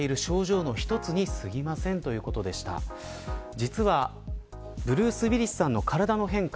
実はブルース・ウィリスさんの体の変化